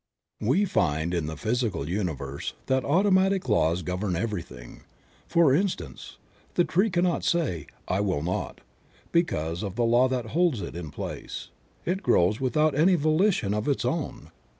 TT/HE find in the physical universe that automatic laws govern everything; for instance, the tree cannot say "I will not," because of the law that holds it in place; it grows without any volition of its own.